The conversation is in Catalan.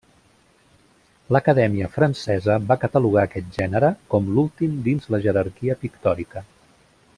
L'Acadèmia francesa va catalogar aquest gènere com l'últim dins la jerarquia pictòrica.